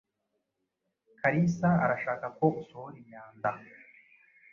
Kalisa arashaka ko usohora imyanda.